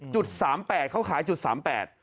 จุด๓๘เขาขายจุด๓๘